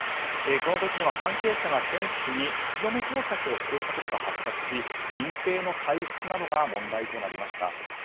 この時には関係者が選手に口止め工作をしていたことが発覚し、隠ぺいの体質などが問題となりました。